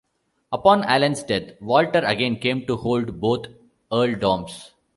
Upon Allan's death, Walter again came to hold both earldoms.